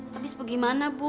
habis pergi mana bu